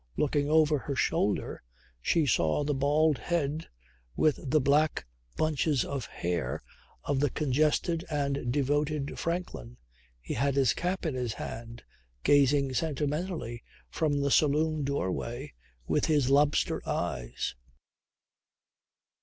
Looking over her shoulder she saw the bald head with black bunches of hair of the congested and devoted Franklin (he had his cap in his hand) gazing sentimentally from the saloon doorway with his lobster eyes.